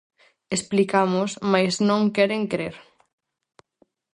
Explicamos, mais non queren crer.